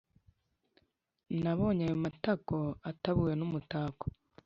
Nabonye ayo matako atabuwe numutako